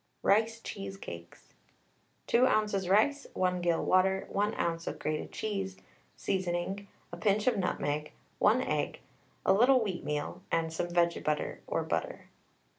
RICE CHEESECAKES. 2 oz. rice, 1 gill water, 1 oz. of grated cheese, seasoning, a pinch of nutmeg, 1 egg, a little wheatmeal, and some vege butter, or butter.